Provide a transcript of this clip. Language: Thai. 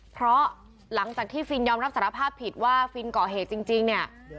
เพราะหลังจากที่ฟินยอมรับสารภาพผิดว่าฟินก่อเหตุจริงเนี่ย